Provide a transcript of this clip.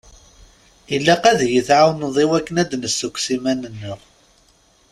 Ilaq ad yi-tɛawneḍ i wakken ad d-nessukkes iman-nneɣ.